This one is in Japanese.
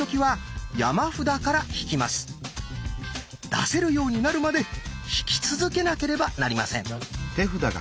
出せるようになるまで引き続けなければなりません。